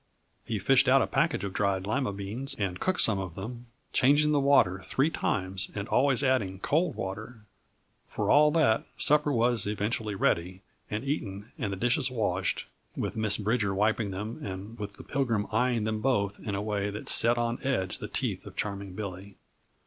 He fished out a package of dried lima beans and cooked some of them, changing the water three times and always adding cold water. For all that, supper was eventually ready and eaten and the dishes washed with Miss Bridger wiping them and with the Pilgrim eying them both in a way that set on edge the teeth of Charming Billy.